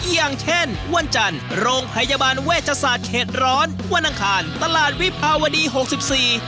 อย่างเช่นวันจันทร์โรงพยาบาลเวชศาสตร์เขตร้อนวันอังคารตลาดวิภาวดีหกสิบสี่